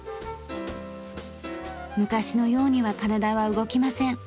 昔のようには体は動きません。